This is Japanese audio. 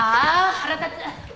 腹立つ！